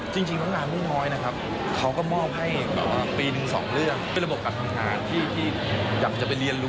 จริงแล้วงานไม่น้อยนะครับเขาก็มอบให้แบบว่าปีหนึ่งสองเรื่องเป็นระบบการทำงานที่อยากจะไปเรียนรู้